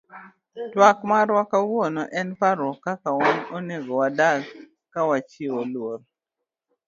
Twak marwa kawuono en parrouk kaka wan onego wadak kawachiwo luor.